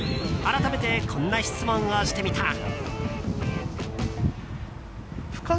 改めて、こんな質問をしてみた。